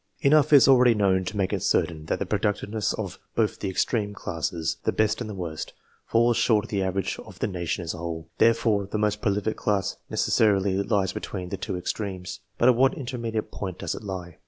Enough is already known to make it certain that the productiveness of both the extreme classes, the best and the worst, falls short of the average of the nation as a whole. Therefore, the most prolific class necessarily lies between the two extremes, but at what intermediate point does it lie